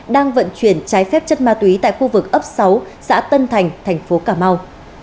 đang vận chuyển trái phép chất ma túy tại khu vực ấp sáu xã tân thành tp ca mau